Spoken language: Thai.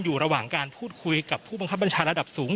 อยู่ระหว่างการพูดคุยกับผู้บังคับบัญชาระดับสูง